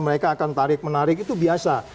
mereka akan tarik menarik itu biasa